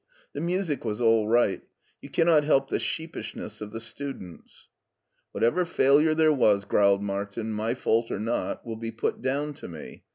The music was all right. You cannot help the sheep ishness of the students." "Whatever failure there was," growled Martin, my fault or not, will be put down to me.